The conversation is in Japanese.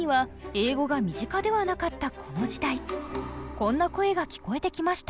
こんな声が聞こえてきました。